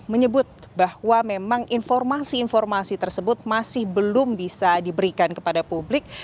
menyebut bahwa memang informasi informasi tersebut masih belum bisa diberikan kepada publik